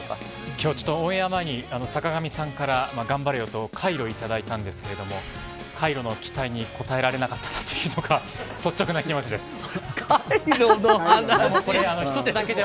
今日、ちょっとオンエア前に坂上さんから頑張れよとカイロをいただいたんですけどもカイロに期待に応えられなかったというのが率直な気持ちです。